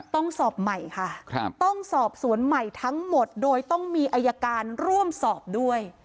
ต้องสอบใหม่ค่ะต้องสอบสวนใหม่ทั้งหมดโดยต้องมีอายการร่วมสอบด้วย